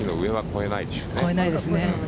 越えないですね。